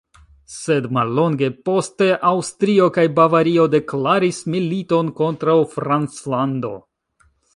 Sed mallonge poste Aŭstrio kaj Bavario deklaris militon kontraŭ Franclando.